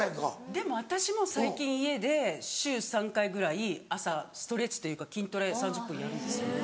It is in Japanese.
でも私も最近家で週３回ぐらい朝ストレッチというか筋トレ３０分やるんですよ。